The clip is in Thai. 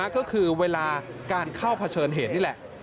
ก็คือเวลาการเข้าเผชิญเหตุนี่แหละ